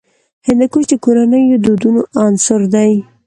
هندوکش د کورنیو د دودونو عنصر دی.